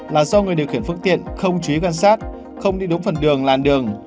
là do người điều khiển phương tiện không chú ý quan sát không đi đúng phần đường làn đường